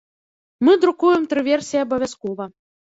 Мы друкуем тры версіі абавязкова.